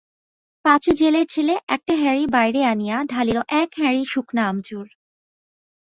পাঁচু জেলের ছেলে একটা হ্যাঁড়ি বাইরে আনিয়া ঢালিল-এক-হ্যাঁড়ি শুকনা আমচুর।